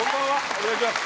お願いします。